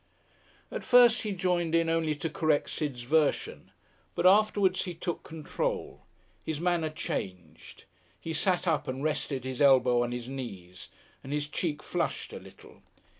At first he joined in only to correct Sid's version, but afterwards he took control. His manner changed. He sat up and rested his elbow on his knees, and his cheek flushed a little.